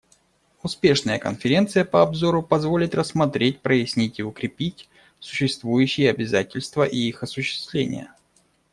Успешная Конференция по обзору позволит рассмотреть, прояснить и укрепить существующие обязательства и их осуществление.